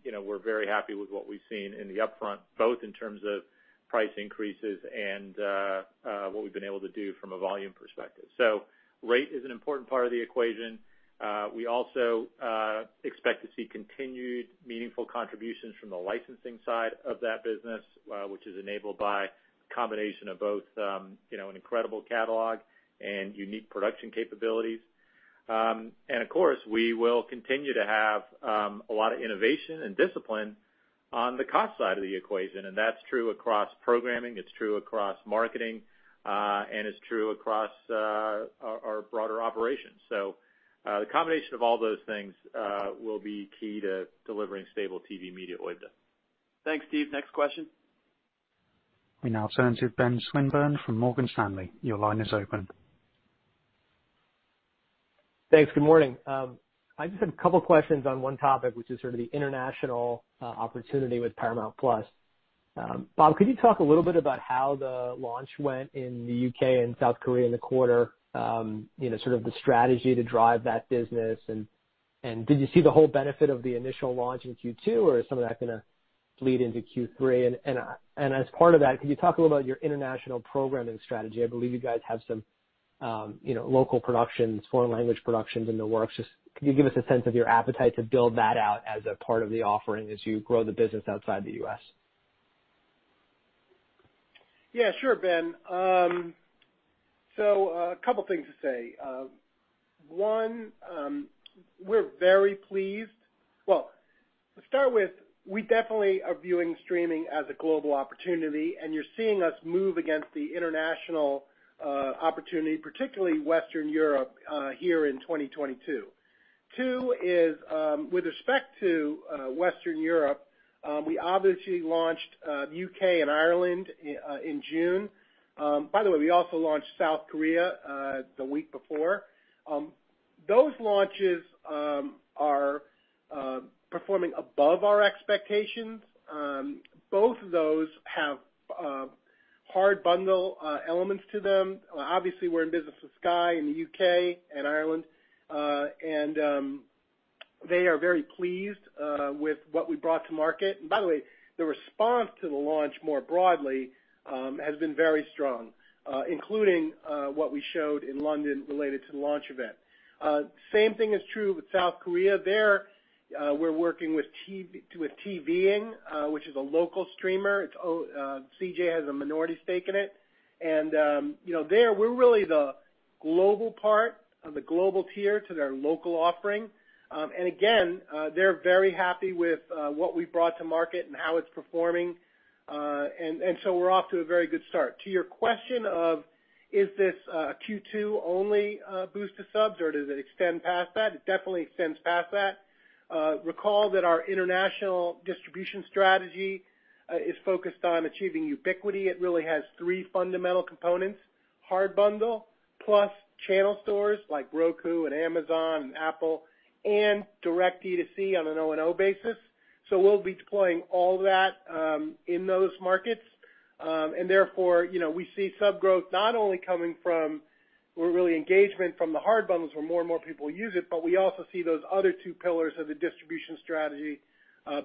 you know, we're very happy with what we've seen in the upfront, both in terms of price increases and what we've been able to do from a volume perspective. Rate is an important part of the equation. We also expect to see continued meaningful contributions from the licensing side of that business, which is enabled by a combination of both, you know, an incredible catalog and unique production capabilities. Of course, we will continue to have a lot of innovation and discipline on the cost side of the equation, and that's true across programming, it's true across marketing, and it's true across our broader operations. The combination of all those things will be key to delivering stable TV media OIBDA. Thanks, Steve. Next question. We now turn to Benjamin Swinburne from Morgan Stanley. Your line is open. Thanks. Good morning. I just have a couple questions on one topic, which is sort of the international opportunity with Paramount+. Bob, could you talk a little bit about how the launch went in the UK and South Korea in the quarter? You know, sort of the strategy to drive that business. As part of that, can you talk a little bit about your international programming strategy? I believe you guys have some, you know, local productions, foreign language productions in the works. Just could you give us a sense of your appetite to build that out as a part of the offering as you grow the business outside the U.S.? Yeah, sure, Ben. A couple things to say. One, to start with, we definitely are viewing streaming as a global opportunity, and you're seeing us move on the international opportunity, particularly Western Europe, here in 2022. Two is, with respect to Western Europe, we obviously launched UK and Ireland in June. By the way, we also launched South Korea the week before. Those launches are performing above our expectations. Both of those have hard bundle elements to them. Obviously, we're in business with Sky in the UK and Ireland, and they are very pleased with what we brought to market. By the way, the response to the launch more broadly has been very strong, including what we showed in London related to the launch event. Same thing is true with South Korea. There, we're working with TVING, which is a local streamer. CJ has a minority stake in it. You know, there, we're really the global part of the global tier to their local offering. Again, they're very happy with what we've brought to market and how it's performing. So we're off to a very good start. To your question of, is this Q2 only boost to subs, or does it extend past that? It definitely extends past that. Recall that our international distribution strategy is focused on achieving ubiquity. It really has three fundamental components, hard bundle,+ channel stores like Roku and Amazon and Apple, and direct DTC on an O&O basis. We'll be deploying all that in those markets. Therefore, you know, we see sub growth not only coming from, or really engagement from the hard bundles where more and more people use it, but we also see those other two pillars of the distribution strategy,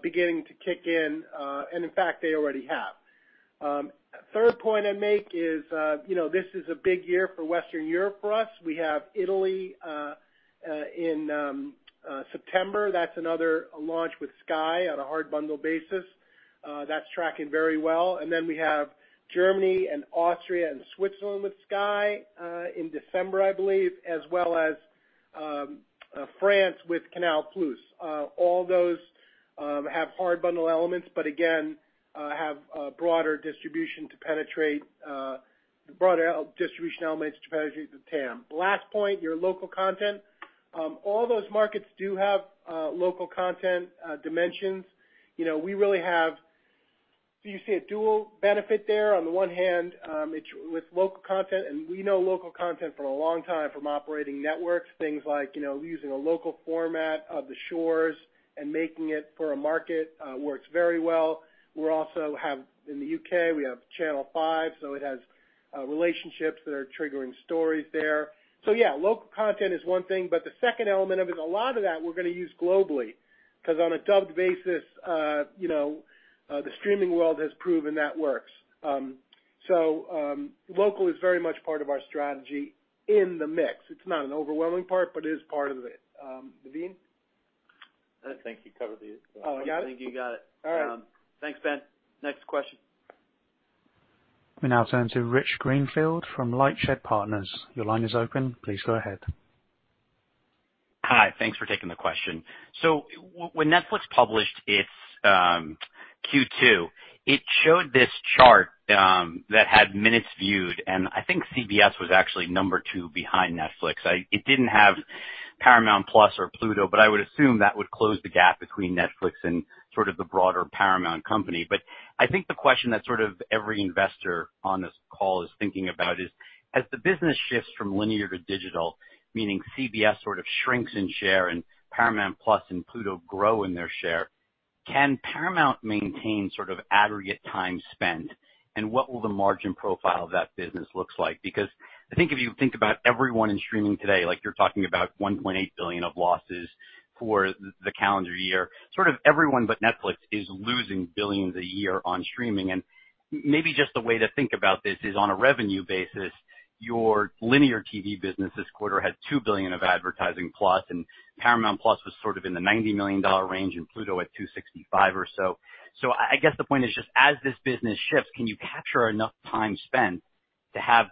beginning to kick in, and in fact, they already have. Third point I'd make is, you know, this is a big year for Western Europe for us. We have Italy in September. That's another launch with Sky on a hard bundle basis. That's tracking very well. We have Germany and Austria and Switzerland with Sky in December, I believe, as well as France with Canal+. All those have hard bundle elements, but again, have broader distribution elements to penetrate the TAM. Last point, your local content. All those markets do have local content dimensions. You know, we really have. So you see a dual benefit there. On the one hand, it's with local content, and we know local content for a long time from operating networks, things like, you know, using a local format of The Shore and making it for a market works very well. In the UK, we have Channel 5, so it has relationships that are triggering stories there. Local content is one thing, but the second element of it, a lot of that we're gonna use globally because on a dubbed basis, you know, the streaming world has proven that works. Local is very much part of our strategy in the mix. It's not an overwhelming part, but it is part of it. Naveen? I think you covered the. Oh, I got it? I think you got it. All right. Thanks, Ben. Next question. We now turn to Richard Greenfield from LightShed Partners. Your line is open. Please go ahead. Hi. Thanks for taking the question. When Netflix published its Q2, it showed this chart that had minutes viewed, and I think CBS was actually number 2 behind Netflix. It didn't have Paramount+ or Pluto, but I would assume that would close the gap between Netflix and sort of the broader Paramount company. I think the question that sort of every investor on this call is thinking about is, as the business shifts from linear to digital, meaning CBS sort of shrinks in share and Paramount+ and Pluto grow in their share, can Paramount maintain sort of aggregate time spent, and what will the margin profile of that business looks like? Because I think if you think about everyone in streaming today, like you're talking about $1.8 billion of losses for the calendar year. Sort of everyone but Netflix is losing billions a year on streaming. Maybe just the way to think about this is on a revenue basis, your linear TV business this quarter had $2 billion of advertising+, and Paramount+ was sort of in the $90 million range and Pluto at $265 or so. I guess the point is just as this business shifts, can you capture enough time spent to have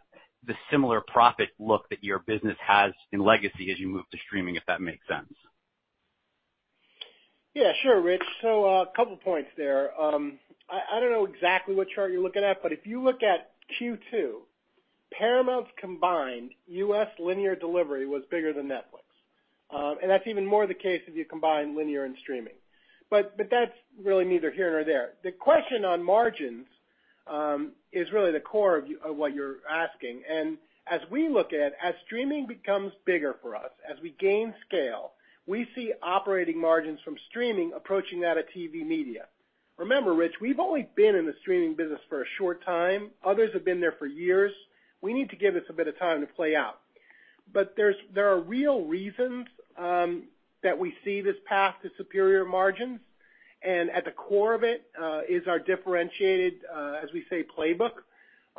the similar profit look that your business has in legacy as you move to streaming, if that makes sense? Yeah, sure, Rich. Couple points there. I don't know exactly what chart you're looking at, but if you look at Q2, Paramount's combined U.S. linear delivery was bigger than Netflix. That's even more the case if you combine linear and streaming. That's really neither here nor there. The question on margins is really the core of what you're asking. As streaming becomes bigger for us, as we gain scale, we see operating margins from streaming approaching that of TV media. Remember, Rich, we've only been in the streaming business for a short time. Others have been there for years. We need to give this a bit of time to play out. There are real reasons that we see this path to superior margins. At the core of it is our differentiated, as we say, playbook.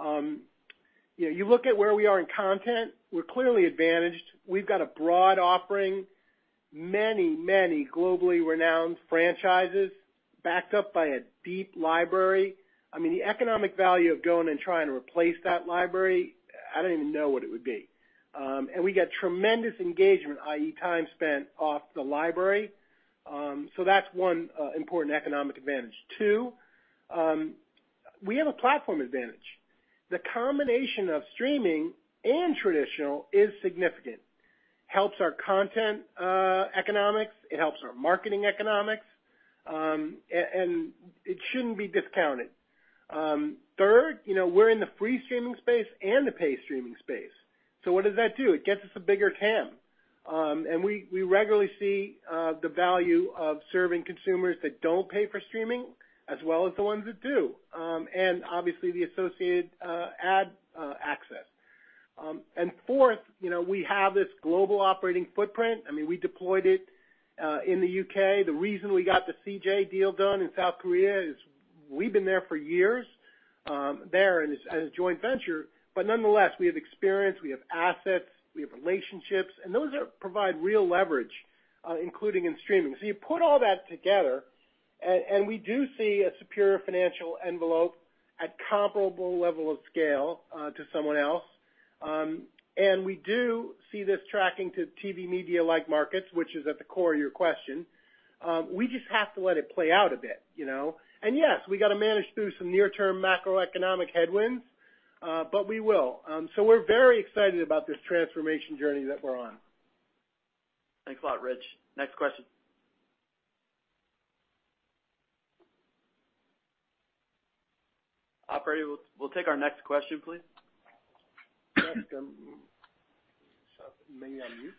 You know, you look at where we are in content, we're clearly advantaged. We've got a broad offering, many, many globally renowned franchises backed up by a deep library. I mean, the economic value of going and trying to replace that library, I don't even know what it would be. We get tremendous engagement, i.e., time spent off the library. So that's one important economic advantage. Two, we have a platform advantage. The combination of streaming and traditional is significant. Helps our content economics. It helps our marketing economics. And it shouldn't be discounted. Third, you know, we're in the free streaming space and the paid streaming space. So what does that do? It gets us a bigger TAM. We regularly see the value of serving consumers that don't pay for streaming as well as the ones that do, and obviously the associated ad access. Fourth, you know, we have this global operating footprint. I mean, we deployed it in the UK. The reason we got the CJ deal done in South Korea is we've been there for years, there as a joint venture. Nonetheless, we have experience, we have assets, we have relationships, and those provide real leverage, including in streaming. You put all that together and we do see a superior financial envelope at comparable level of scale to someone else. We do see this tracking to TV media-like markets, which is at the core of your question. We just have to let it play out a bit, you know? Yes, we gotta manage through some near-term macroeconomic headwinds, but we will. We're very excited about this transformation journey that we're on. Thanks a lot, Rich. Next question. Operator, we'll take our next question, please. Maybe unmute.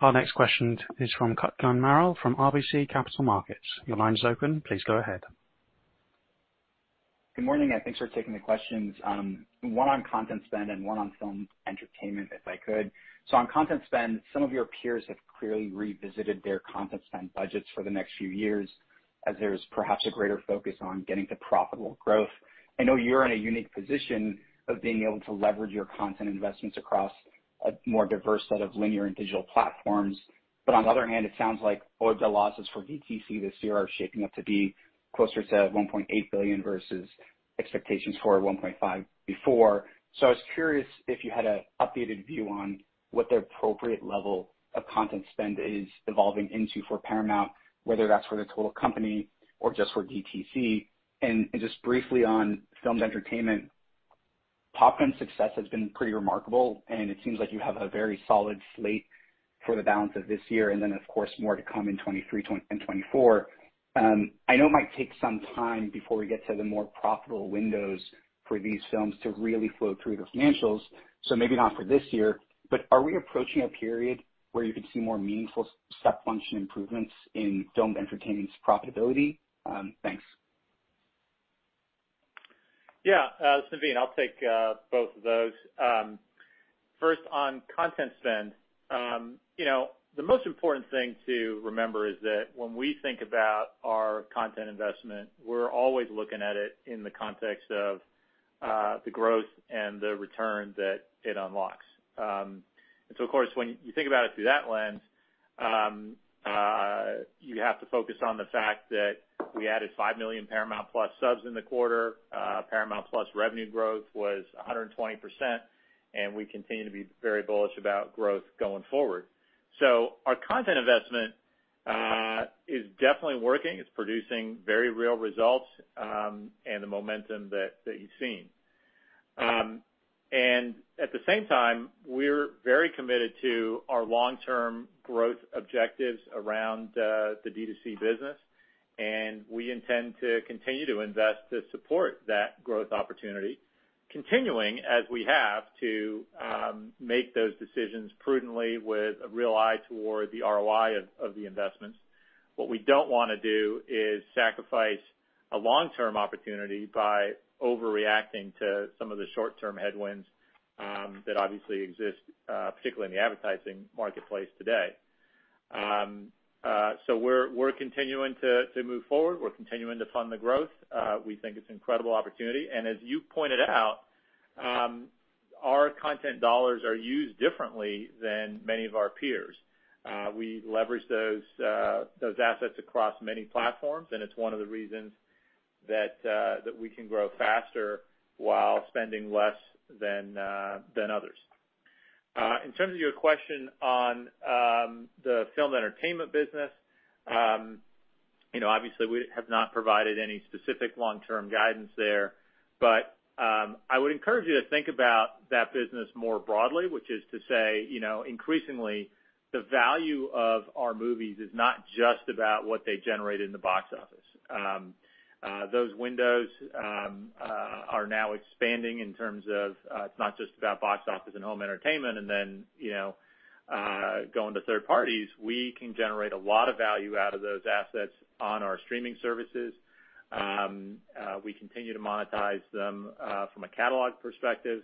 Our next question is from Kutgun Maral from RBC Capital Markets. Your line is open. Please go ahead. Good morning, and thanks for taking the questions. One on content spend and one on film entertainment, if I could. On content spend, some of your peers have clearly revisited their content spend budgets for the next few years, as there is perhaps a greater focus on getting to profitable growth. I know you're in a unique position of being able to leverage your content investments across a more diverse set of linear and digital platforms. On the other hand, it sounds like all the losses for DTC this year are shaping up to be closer to $1.8 billion versus expectations for $1.5 billion before. I was curious if you had an updated view on what the appropriate level of content spend is evolving into for Paramount, whether that's for the total company or just for DTC. Just briefly on filmed entertainment. Top Gun's success has been pretty remarkable, and it seems like you have a very solid slate for the balance of this year and then, of course, more to come in 2023 and 2024. I know it might take some time before we get to the more profitable windows for these films to really flow through the financials, so maybe not for this year, but are we approaching a period where you can see more meaningful step function improvements in filmed entertainment's profitability? Thanks. Yeah. Naveen, I'll take both of those. First on content spend. You know, the most important thing to remember is that when we think about our content investment, we're always looking at it in the context of the growth and the return that it unlocks. Of course, when you think about it through that lens, you have to focus on the fact that we added 5 million Paramount+ subs in the quarter. Paramount+ revenue growth was 120%, and we continue to be very bullish about growth going forward. Our content investment is definitely working. It's producing very real results, and the momentum that you've seen. At the same time, we're very committed to our long-term growth objectives around the D2C business. We intend to continue to invest to support that growth opportunity, continuing as we have to make those decisions prudently with a real eye toward the ROI of the investments. What we don't wanna do is sacrifice a long-term opportunity by overreacting to some of the short-term headwinds that obviously exist, particularly in the advertising marketplace today. We're continuing to move forward. We're continuing to fund the growth. We think it's an incredible opportunity. As you pointed out, our content dollars are used differently than many of our peers. We leverage those assets across many platforms, and it's one of the reasons that we can grow faster while spending less than others. In terms of your question on the film entertainment business, you know, obviously we have not provided any specific long-term guidance there. I would encourage you to think about that business more broadly, which is to say, you know, increasingly, the value of our movies is not just about what they generate in the box office. Those windows are now expanding in terms of, it's not just about box office and home entertainment and then, you know, going to third parties. We can generate a lot of value out of those assets on our streaming services. We continue to monetize them from a catalog perspective.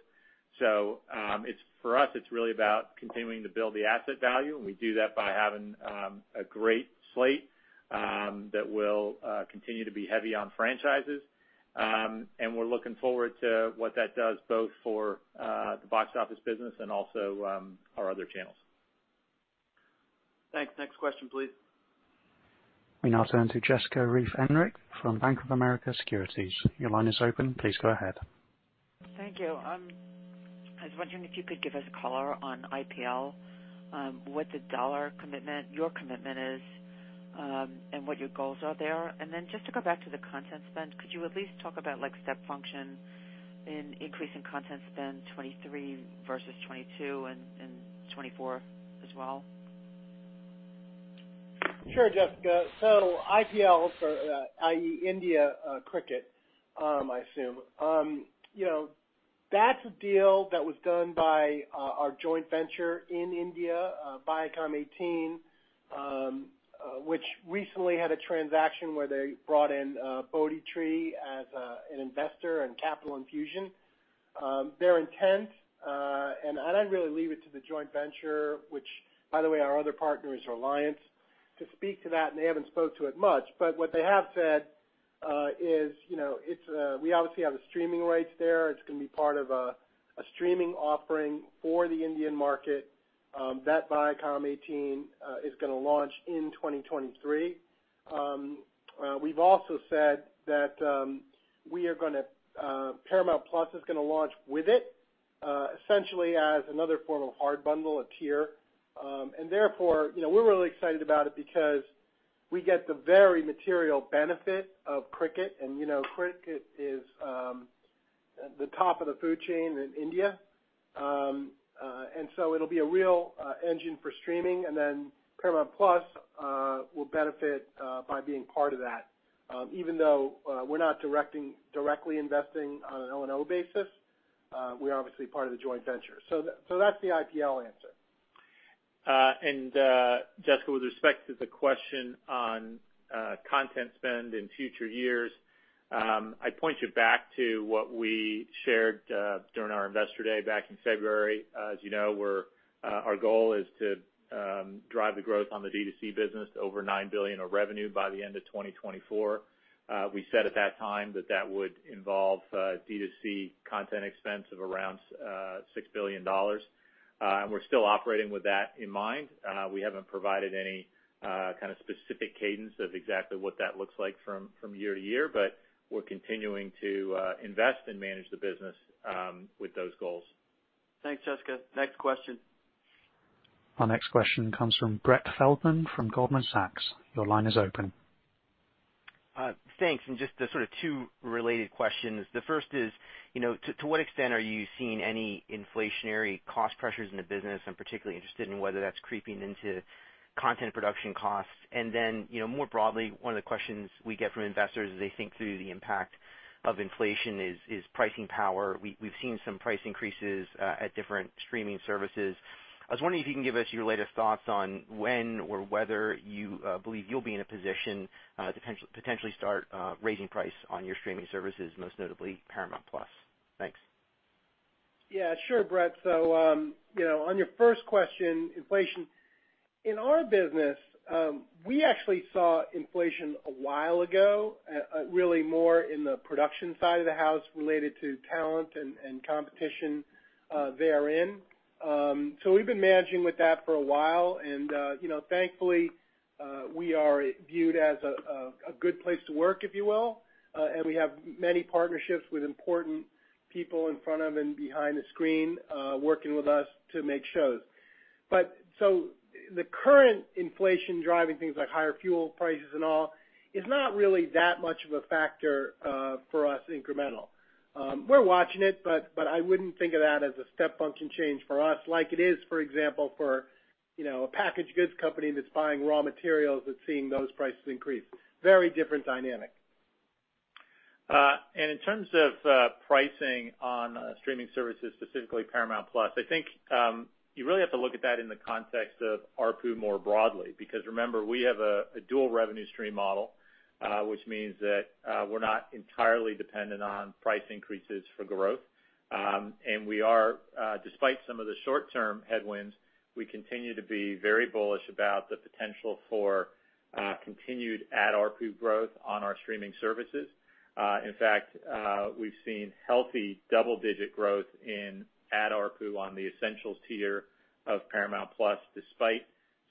For us, it's really about continuing to build the asset value, and we do that by having a great slate that will continue to be heavy on franchises. We're looking forward to what that does both for the box office business and also our other channels. Thanks. Next question, please. We now turn to Jessica Reif Ehrlich from Bank of America Securities. Your line is open. Please go ahead. Thank you. I was wondering if you could give us a color on IPL, what the dollar commitment, your commitment is, and what your goals are there. Then just to go back to the content spend, could you at least talk about like step function in increasing content spend 2023 versus 2022 and 2024 as well? Sure, Jessica. IPL for, i.e., India, cricket, I assume. You know, that's a deal that was done by our joint venture in India, Viacom18, which recently had a transaction where they brought in Bodhi Tree as an investor and capital infusion. Their intent and I'd really leave it to the joint venture, which by the way, our other partner is Reliance, to speak to that, and they haven't spoke to it much. What they have said is, you know, we obviously have the streaming rights there. It's gonna be part of a streaming offering for the Indian market that Viacom18 is gonna launch in 2023. We've also said that we are gonna Paramount+ is gonna launch with it, essentially as another form of hard bundle, a tier. Therefore, you know, we're really excited about it because we get the very material benefit of cricket. You know, cricket is the top of the food chain in India. It'll be a real engine for streaming, and then Paramount+ will benefit by being part of that. Even though we're not directly investing on an O&O basis, we're obviously part of the joint venture. That's the IPL answer. Jessica, with respect to the question on content spend in future years, I'd point you back to what we shared during our Investor Day back in February. As you know, our goal is to drive the growth on the D2C business to over $9 billion of revenue by the end of 2024. We said at that time that that would involve D2C content expense of around $6 billion. We're still operating with that in mind. We haven't provided any kind of specific cadence of exactly what that looks like from year to year, but we're continuing to invest and manage the business with those goals. Thanks, Jessica. Next question. Our next question comes from Brett Feldman from Goldman Sachs. Your line is open. Thanks. Just the sort of two related questions. The first is, you know, to what extent are you seeing any inflationary cost pressures in the business? I'm particularly interested in whether that's creeping into content production costs. Then, you know, more broadly, one of the questions we get from investors as they think through the impact of inflation is pricing power. We've seen some price increases at different streaming services. I was wondering if you can give us your latest thoughts on when or whether you believe you'll be in a position to potentially start raising price on your streaming services, most notably Paramount+. Thanks. Yeah, sure, Brett. You know, on your first question, inflation. In our business, we actually saw inflation a while ago, really more in the production side of the house related to talent and competition therein. We've been managing with that for a while and, you know, thankfully, we are viewed as a good place to work, if you will, and we have many partnerships with important people in front of and behind the screen, working with us to make shows. The current inflation driving things like higher fuel prices and all is not really that much of a factor for us incremental. We're watching it, but I wouldn't think of that as a step function change for us like it is, for example, for, you know, a packaged goods company that's buying raw materials, that's seeing those prices increase. Very different dynamic. In terms of pricing on streaming services, specifically Paramount+, I think you really have to look at that in the context of ARPU more broadly because remember, we have a dual revenue stream model, which means that we're not entirely dependent on price increases for growth. We are, despite some of the short-term headwinds, we continue to be very bullish about the potential for continued ad ARPU growth on our streaming services. In fact, we've seen healthy double-digit growth in ad ARPU on the essentials tier of Paramount+, despite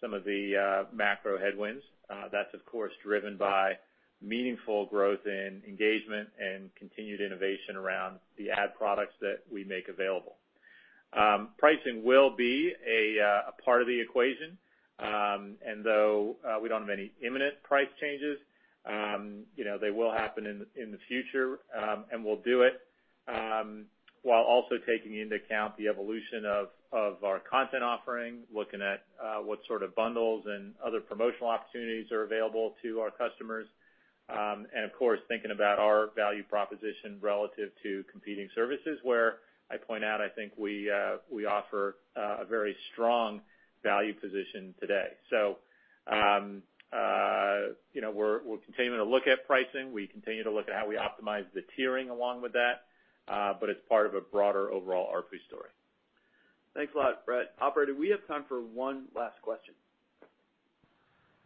some of the macro headwinds. That's of course driven by meaningful growth in engagement and continued innovation around the ad products that we make available. Pricing will be a part of the equation. Though we don't have any imminent price changes, you know, they will happen in the future, and we'll do it while also taking into account the evolution of our content offering, looking at what sort of bundles and other promotional opportunities are available to our customers. Of course, thinking about our value proposition relative to competing services where I point out, I think we offer a very strong value position today. You know, we're continuing to look at pricing. We continue to look at how we optimize the tiering along with that, but it's part of a broader overall ARPU story. Thanks a lot, Brett. Operator, we have time for one last question.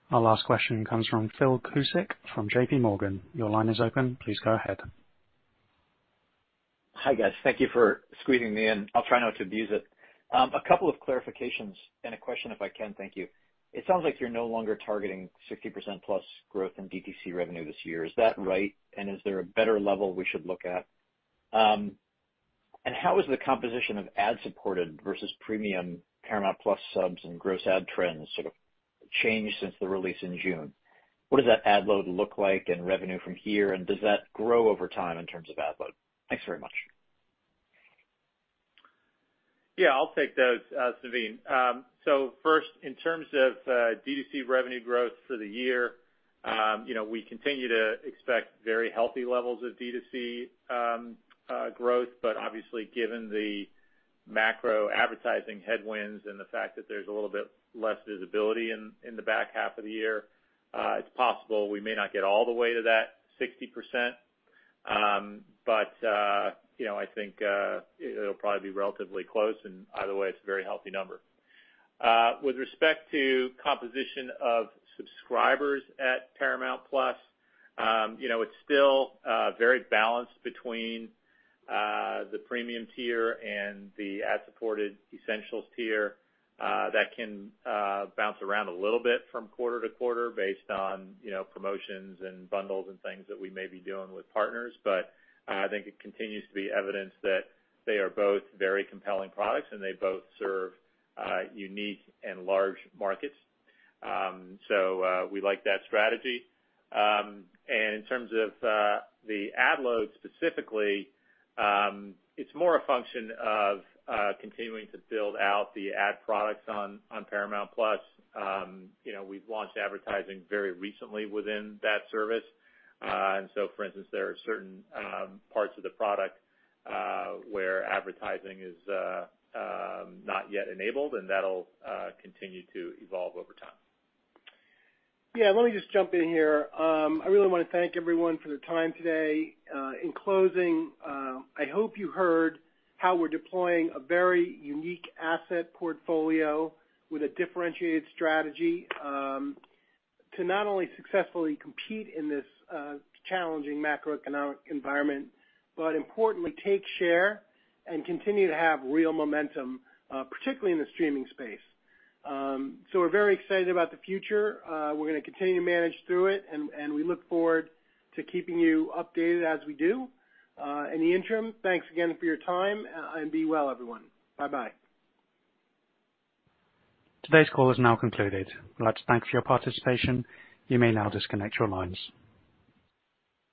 Our last question comes from Philip Cusick from J.P. Morgan. Your line is open. Please go ahead. Hi, guys. Thank you for squeezing me in. I'll try not to abuse it. A couple of clarifications and a question if I can. Thank you. It sounds like you're no longer targeting 60%+ growth in D2C revenue this year. Is that right? Is there a better level we should look at? How is the composition of ad-supported versus premium Paramount+ subs and gross ad trends sort of changed since the release in June? What does that ad load look like and revenue from here? Does that grow over time in terms of ad load? Thanks very much. Yeah, I'll take those, Naveen. So first, in terms of D2C revenue growth for the year, you know, we continue to expect very healthy levels of D2C growth. Obviously, given the macro advertising headwinds and the fact that there's a little bit less visibility in the back half of the year, it's possible we may not get all the way to that 60%. You know, I think it'll probably be relatively close. Either way, it's a very healthy number. With respect to composition of subscribers at Paramount+, you know, it's still very balanced between the premium tier and the ad-supported essentials tier. That can bounce around a little bit from quarter to quarter based on, you know, promotions and bundles and things that we may be doing with partners. I think it continues to be evidence that they are both very compelling products and they both serve unique and large markets. We like that strategy. In terms of the ad load specifically, it's more a function of continuing to build out the ad products on Paramount+. You know, we've launched advertising very recently within that service. For instance, there are certain parts of the product where advertising is not yet enabled, and that'll continue to evolve over time. Yeah. Let me just jump in here. I really wanna thank everyone for their time today. In closing, I hope you heard how we're deploying a very unique asset portfolio with a differentiated strategy, to not only successfully compete in this, challenging macroeconomic environment, but importantly take share and continue to have real momentum, particularly in the streaming space. We're very excited about the future. We're gonna continue to manage through it, and we look forward to keeping you updated as we do. In the interim, thanks again for your time, and be well, everyone. Bye-bye. Today's call is now concluded. I'd like to thank you for your participation. You may now disconnect your lines.